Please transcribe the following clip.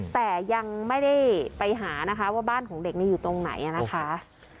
แต่ยังไม่ได้ไปหานะคะว่าบ้านของเด็กอยู่ตรงไหนนะคะ